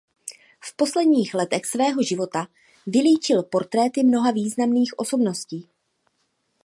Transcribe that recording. V posledních letech svého života vylíčil portréty mnoha významných osobností.